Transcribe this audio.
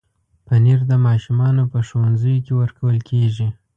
پنېر د ماشومانو په ښوونځیو کې ورکول کېږي.